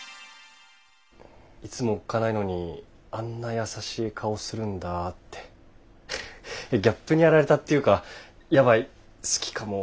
いつもおっかないのにあんな優しい顔するんだってギャップにやられたっていうかヤバい好きかもって。